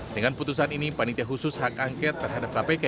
dengan putusan ini panitia khusus hak angket terhadap kpk